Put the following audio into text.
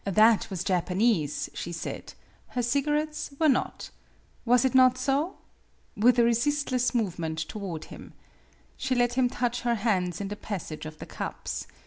That was Japanese, she said, her cigarettes were not. Was it not so ? with a resistless movement toward him. She let him touch her hands in the passage of the cups.